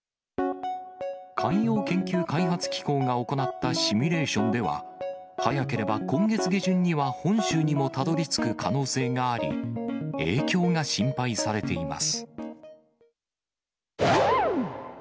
海洋研究開発機構が行ったシミュレーションでは、早ければ今月下旬には本州にもたどりつく可能性があり、影響が心配されています。